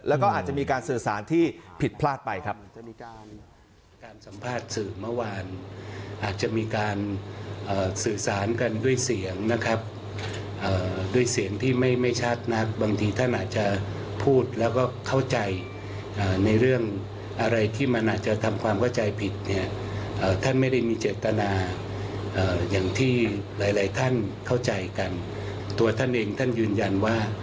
แล้วก็อาจจะมีการสื่อสารที่ผิดพลาดไปครับ